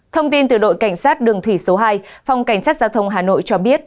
thông tin từ đội cảnh sát đường thủy số hai phòng cảnh sát giao thông hà nội cho biết